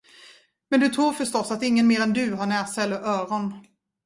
Men du tror förstås, att ingen mer än du har näsa eller öron.